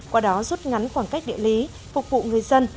qua đó rút ngắn khoảng cách địa lý phục vụ người dân